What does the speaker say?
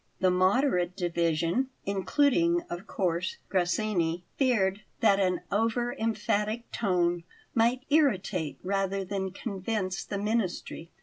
The moderate division including, of course, Grassini feared that an over emphatic tone might irritate rather than convince the ministry.